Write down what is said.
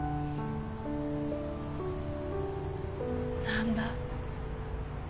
何だ。